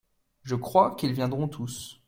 Je crois qu’ils viendront tous.